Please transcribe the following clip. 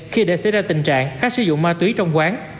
khi để xảy ra tình trạng khách sử dụng ma túy trong quán